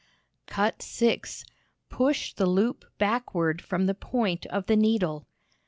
Cut 6 Push the loop backward from the point of the needle.